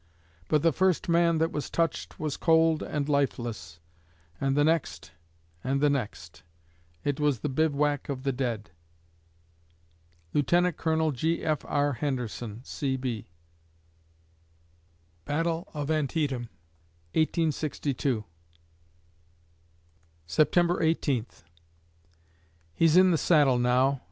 But the first man that was touched was cold and lifeless, and the next, and the next; it was the bivouac of the dead. LIEUT. COL. G. F. R. HENDERSON, C.B. Battle of Antietam, 1862 September Eighteenth He's in the saddle now.